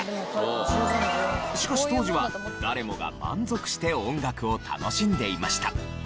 しかし当時は誰もが満足して音楽を楽しんでいました。